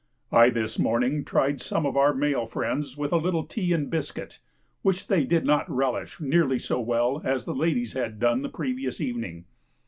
I this morning tried some of our male friends with a little tea and biscuit, which they did not relish nearly so well as the ladies had done the previous evening.